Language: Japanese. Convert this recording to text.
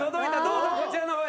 どうぞこちらの方へ。